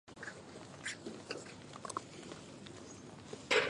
锡达尔维尔是一个位于美国阿肯色州克劳福德县的城市。